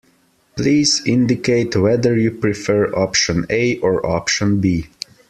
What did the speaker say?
Please indicate whether you prefer option A or option B